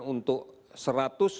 untuk satu ratus enam puluh lima pcr